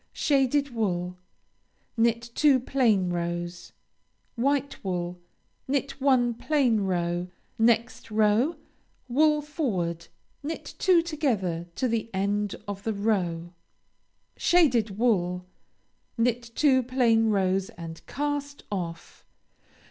Shaded wool Knit two plain rows. White wool Knit one plain row. Next row; wool forward, knit two together to the end of the row. Shaded wool Knit two plain rows and cast off.